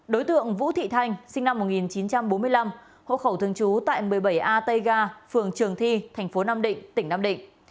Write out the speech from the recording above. đối tượng vũ thị thanh sinh năm một nghìn chín trăm bốn mươi năm hộ khẩu thường trú tại một mươi bảy a tây ga phường trường thi tp nam định tỉnh nam định